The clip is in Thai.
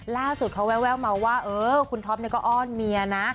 ล่าสุดเขาแววมาว่าเออคุณท็อปก็อ้อนเมียนะ